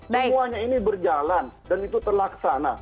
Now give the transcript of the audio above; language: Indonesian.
semuanya ini berjalan dan itu terlaksana